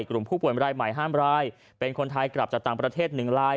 กลุ่มผู้ป่วยรายใหม่ห้ามรายเป็นคนไทยกลับจากต่างประเทศ๑ราย